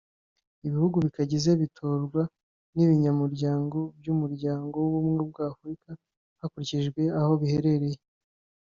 Ibihugu bikagize bitorwa n’ibinyamuryango by’umuryango w’Ubumwe bwa Afurika hakurikijwe aho biherereye